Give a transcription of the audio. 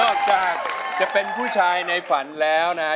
ออกจากจะเป็นผู้ชายในฝันแล้วนะ